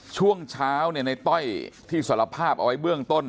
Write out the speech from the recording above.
ช่วงเช้าในต้อยที่สารภาพเอาไว้เบื้องต้น